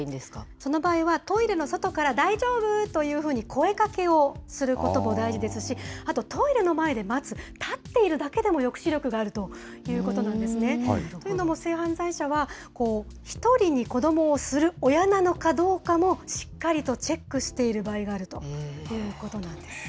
その場合は、トイレの外から大丈夫というふうに声かけをすることも大事ですし、あと、トイレの前で待つ、立っているだけでも抑止力があるということなんですね。というのも、性犯罪者は、１人に子どもをする親なのかどうかも、しっかりとチェックしている場合があるということなんです。